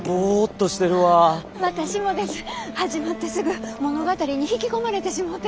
始まってすぐ物語に引き込まれてしもうて。